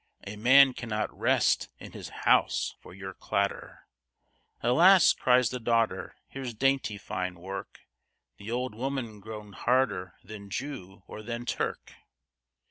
A man cannot rest in his house for your clatter;" "Alas!" cries the daughter, "here's dainty fine work, The old woman grown harder than Jew or than Turk."